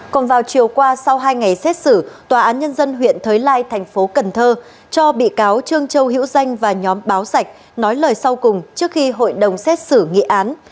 còn vào chiều qua sau hai ngày xét xử tòa án nhân dân huyện thới lai thành phố cần thơ cho bị cáo trương châu hữu danh và nhóm báo sạch nói lời sau cùng trước khi hội đồng xét xử nghị án